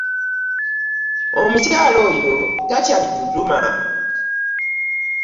Omukyala oyo tatya biduduma.